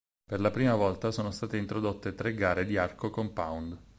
Per la prima volta sono state introdotte tre gare di arco compound.